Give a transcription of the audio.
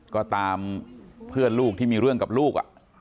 ก็ตามเพื่อนลูกที่มีเรื่องกับลูก